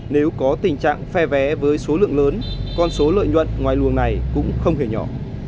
nếu có tình trạng phe vé với số lượng lớn con số lợi nhuận ngoài luồng này cũng không hề nhỏ